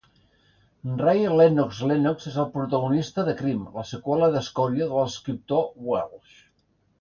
Ray Lennox - Lennox és el protagonista de "Crim", la seqüela d'"Escòria" de l'escriptor Welsh.